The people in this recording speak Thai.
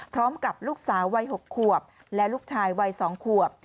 พร้อมกับลูกสาววัย๖ขวบและลูกชายวัย๒ขวบ